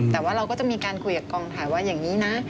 แต่ว่าเราก็จะมีการคุยกับกองถ่ายว่าอย่างนี้นะ